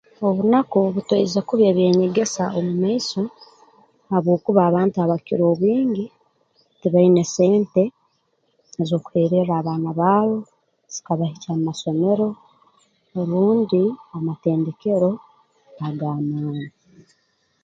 Obunaku butwaize kubi eby'enyegesa omu maiso habwokuba abantu abakukira obwingi tibaine sente ez'okuhererra abaana baabo zikabahikya mu masomero obundi amatendekero ag'amaani